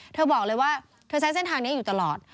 เธอบอกเลยว่าเธอใช้เส้นทางนี้อยู่ตลอด